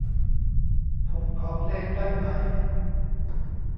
ผมขอเพลงได้ไหม ?